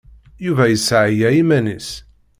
Yuba yesseɛya iman-is.